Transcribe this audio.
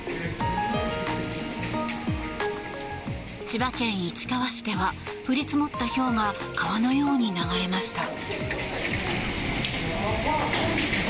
千葉県市川市では降り積もったひょうが川のように流れました。